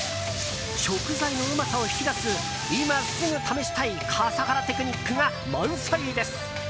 食材のうまさを引き出す今すぐ試したい笠原テクニックが満載です。